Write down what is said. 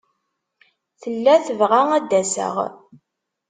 Tella tebɣa ad d-aseɣ.